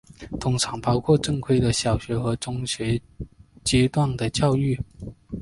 通常包括正规的小学和中学阶段的教育。